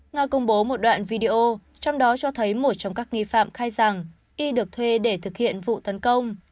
nga công bố một đoạn video trong đó cho thấy một trong các nghi phạm khai rằng y được thuê để thực hiện vụ tấn công